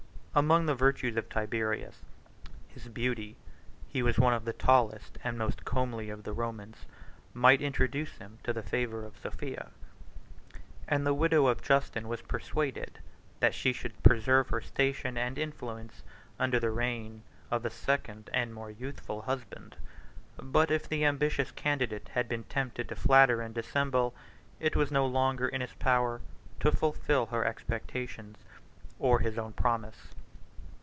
] Among the virtues of Tiberius, 28 his beauty (he was one of the tallest and most comely of the Romans) might introduce him to the favor of Sophia; and the widow of Justin was persuaded, that she should preserve her station and influence under the reign of a second and more youthful husband. But, if the ambitious candidate had been tempted to flatter and dissemble, it was no longer in his power to fulfil her expectations, or his own promise.